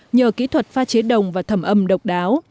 nhờ kỹ thuật pha chế đồng và thẩm âm độc đáo